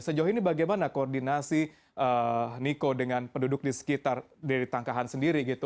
sejauh ini bagaimana koordinasi niko dengan penduduk di sekitar dari tangkahan sendiri gitu